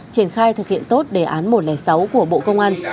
triển khai thực hiện tốt đề án một trăm linh sáu của bộ công an